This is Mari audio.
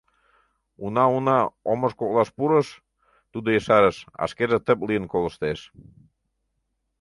Уна-уна, омыж коклаш пурыш, — тудо ешарыш, а шкеже тып лийын колыштеш.